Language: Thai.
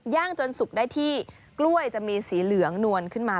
จนสุกได้ที่กล้วยจะมีสีเหลืองนวลขึ้นมา